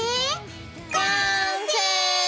完成！